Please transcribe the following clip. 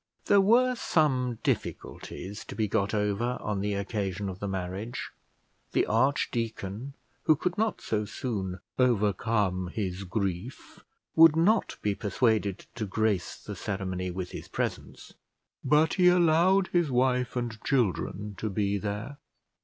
There were some difficulties to be got over on the occasion of the marriage. The archdeacon, who could not so soon overcome his grief, would not be persuaded to grace the ceremony with his presence, but he allowed his wife and children to be there.